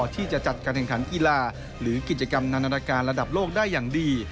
ที่จะจัดการแข่งขันกีฬาหรือกิจกรรมนานาการระดับโลกได้อย่างดี